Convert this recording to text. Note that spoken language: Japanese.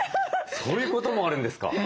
そういうこともあるんですか。